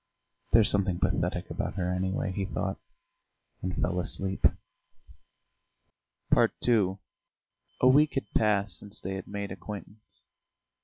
"There's something pathetic about her, anyway," he thought, and fell asleep. II A week had passed since they had made acquaintance.